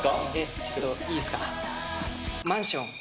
ちょっと、いいですか。